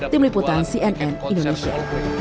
tim liputan cnn indonesia